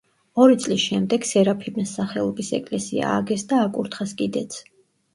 ორი წლის შემდეგ სერაფიმეს სახელობის ეკლესია ააგეს და აკურთხეს კიდეც.